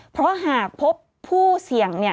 เพราะหากพบผู้เสี่ยง